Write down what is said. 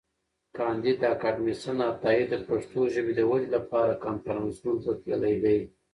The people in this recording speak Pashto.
کانديد اکاډميسن عطایي د پښتو ژبي د ودي لپاره کنفرانسونو ته تللی دی.